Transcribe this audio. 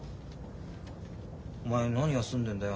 お前何休んでんだよ。